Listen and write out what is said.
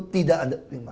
tidak anda terima